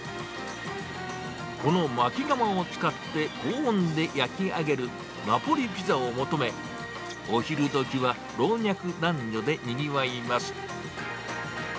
このまき窯を使って、高温で焼き上げるナポリピザを求め、お昼どきは老若男女でにぎわいます。